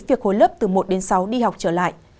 việc hối lớp từ một đến sáu đi học trở lại